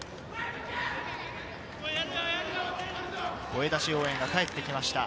声出し応援が帰ってきました。